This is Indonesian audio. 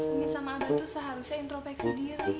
umi sama abah itu seharusnya intropeksi diri